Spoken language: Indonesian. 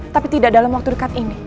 tapi tidak dalam waktu dekat ini